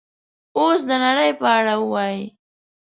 اوس د نړۍ په اړه ووایئ